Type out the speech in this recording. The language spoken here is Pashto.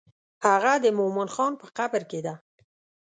هغه د مومن خان په قبر کې ده.